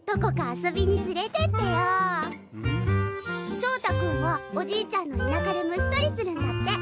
しょうた君はおじいちゃんの田舎で虫とりするんだって！